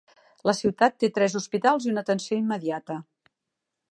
La ciutat té tres hospitals i una atenció immediata.